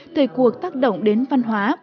thời cuộc thác động đến văn hóa